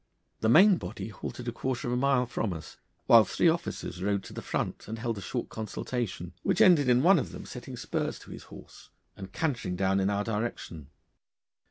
The main body halted a quarter of a mile from us, while three officers rode to the front and held a short consultation, which ended in one of them setting spurs to his horse and cantering down in our direction.